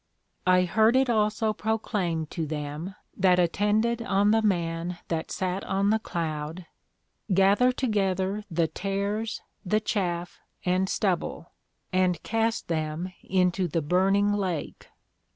I heard it also proclaimed to them that attended on the Man that sat on the Cloud, Gather together the Tares, the Chaff, and Stubble, and cast them into the burning Lake.